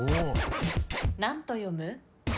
何と読む？